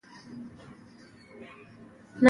مزارشریف د افغان ځوانانو د هیلو استازیتوب کوي.